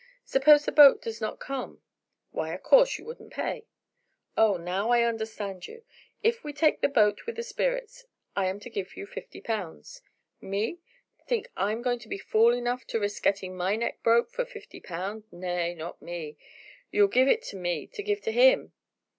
Suppose the boat does not come?" "Why, o' course, you wouldn't pay." "Oh, now I understand you. If we take the boat with the spirits I am to give you fifty pounds?" "Me? Think I'm goin' to be fool enough to risk gettin' my neck broke for fifty pound? Nay, not me. You'll give it to me to give to him."